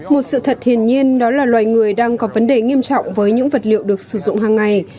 một sự thật hiển nhiên đó là loài người đang có vấn đề nghiêm trọng với những vật liệu được sử dụng hàng ngày